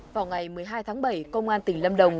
vào ngày một mươi hai tháng bảy công an tỉnh lâm đồng